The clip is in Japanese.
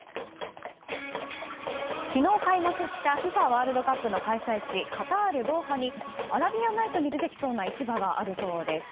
ワールドカップの開催地カタール・ドーハに「アラビアンナイト」に出てきそうな市場があるそうです。